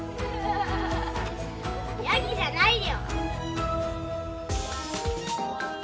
ヤギじゃないよ！